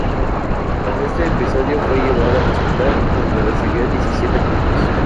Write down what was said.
Tras este episodio fue llevado al hospital, donde recibió diecisiete puntos.